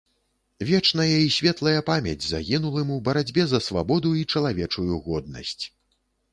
Вечная і светлая памяць загінулым у барацьбе за свабоду й чалавечую годнасць.